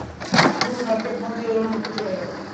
বহুভাগ্যের ধন চিরজন্মের মতো চলে গেল।